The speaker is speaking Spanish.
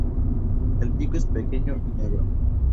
El pico es pequeño y negro.